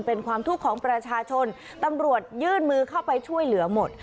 เป็นความทุกข์ของประชาชนตำรวจยื่นมือเข้าไปช่วยเหลือหมด